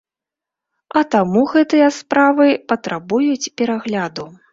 А таму гэтыя справы патрабуюць перагляду.